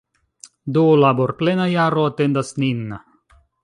Do, laborplena jaro atendas nin!